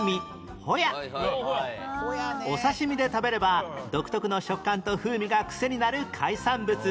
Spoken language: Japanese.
お刺身で食べれば独特の食感と風味が癖になる海産物